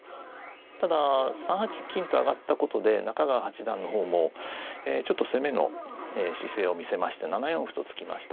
ただ３八金と上がったことで中川八段の方もちょっと攻めの姿勢を見せまして７四歩と突きました。